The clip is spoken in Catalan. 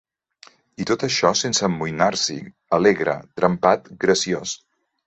I tot això sense amoïnar-s'hi, alegre, trempat, graciós